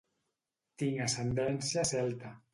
Tinc ascendència celta.